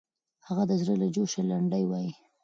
هغه د زړه له جوشه لنډۍ وایي.